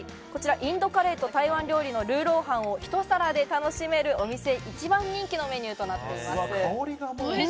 インドカレーと台湾料理のルーローハンをひと皿で楽しめるお店一番人気のメニューとなっています。